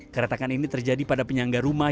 keretakan ini terjadi pada penyangga rumah